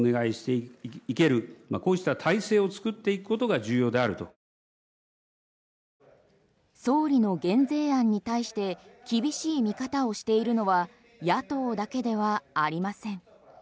最終的に岸田総理は。総理の減税案に対して厳しい見方をしているのは野党だけではありません。